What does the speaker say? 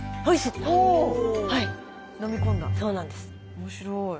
面白い。